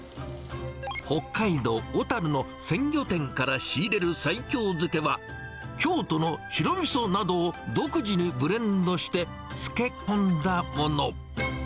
北海道小樽の鮮魚店から仕入れる西京漬けは、京都の白みそなどを独自にブレンドして、漬け込んだもの。